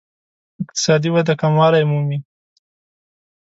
اقتصادي وده کموالی مومي.